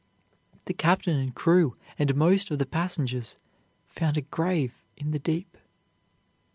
The captain and crew and most of the passengers found a grave in the deep."